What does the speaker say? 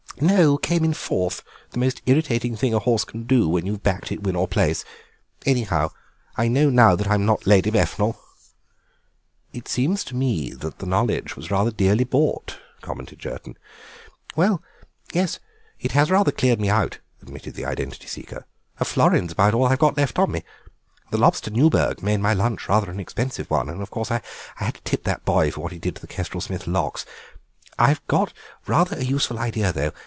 "No, came in fourth, the most irritating thing a horse can do when you've backed it win or place. Anyhow, I know now that I'm not Lady Befnal." "It seems to me that the knowledge was rather dearly bought," commented Jerton. "Well, yes, it has rather cleared me out," admitted the identity seeker; "a florin is about all I've got left on me. The lobster Newburg made my lunch rather an expensive one, and, of course, I had to tip that boy for what he did to the Kestrel Smith locks. I've got rather a useful idea, though.